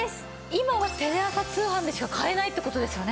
今はテレ朝通販でしか買えないって事ですよね。